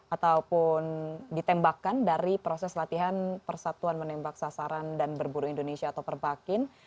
ataupun ditembakkan dari proses latihan persatuan menembak sasaran dan berburu indonesia atau perbakin